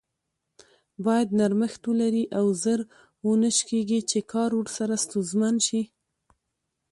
بايد نرمښت ولري او زر و نه شکیږي چې کار ورسره ستونزمن شي.